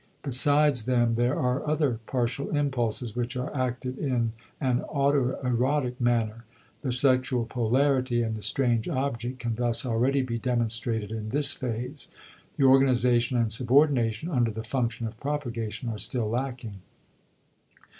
Besides them there are other partial impulses which are active in an autoerotic manner. The sexual polarity and the strange object can thus already be demonstrated in this phase. The organization and subordination under the function of propagation are still lacking.